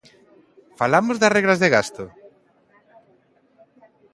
¿Falamos das regras de gasto?